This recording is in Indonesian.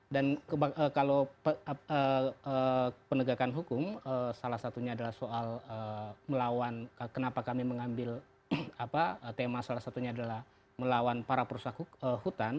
dan kalau penegakan hukum salah satunya adalah soal melawan kenapa kami mengambil tema salah satunya adalah melawan para perusahaan hutan